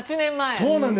そうなんです